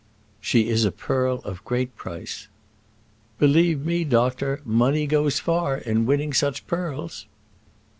"She is a pearl of great price." "Believe me, doctor, money goes far in winning such pearls."